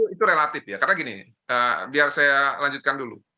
itu relatif ya karena gini biar saya lanjutkan dulu